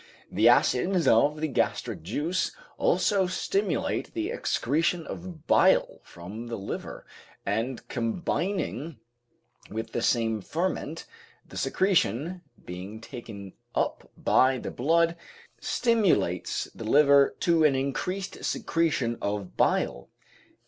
The acids of the gastric juice also stimulate the excretion of bile from the liver, and combining with the same ferment, the secretion, being taken up by the blood, stimulates the liver to an increased secretion of bile.